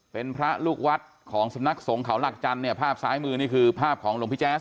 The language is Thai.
เป็นพระลูกวัดของสำนักสงฆ์เขาหลักจันทร์เนี่ยภาพซ้ายมือนี่คือภาพของหลวงพี่แจ๊ส